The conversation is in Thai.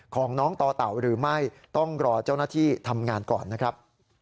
ของน้องต่อเต่าหรือไม่ต้องรอเจ้าหน้าที่ทำงานก่อนนะครับ